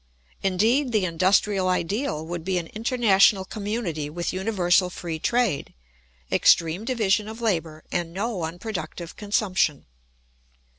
Indeed, the industrial ideal would be an international community with universal free trade, extreme division of labour, and no unproductive consumption.